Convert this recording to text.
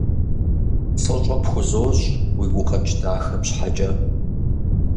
ФӀыщӀэ пхузощӀ уи гукъэкӀ дахэм щхьэкӀэ.